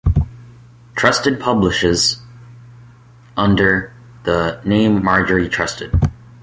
Trusted publishes under the name Marjorie Trusted.